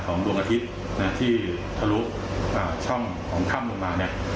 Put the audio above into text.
ของดวงอาทิตย์นะที่ทะลุอ่าช่องของค่ำลงมาเนี้ย